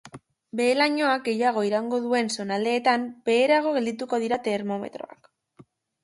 Behe-lainoak gehiago iraungo duen zonaldeetan, beherago geldituko dira termometroak.